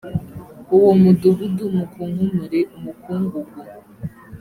uwo mudugudu mukunkumure umukungugu